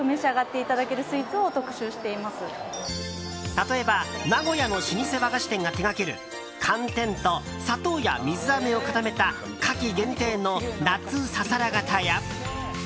例えば名古屋の老舗和菓子店が手掛ける寒天と砂糖や水あめを固めた夏季限定の夏ささらがたや。